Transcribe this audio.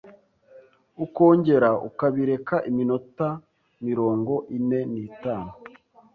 ukongera ukabireka iminota mirongo ine nitanu